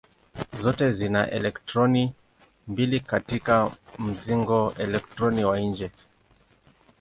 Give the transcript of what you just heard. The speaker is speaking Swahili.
Zote zina elektroni mbili katika mzingo elektroni wa nje.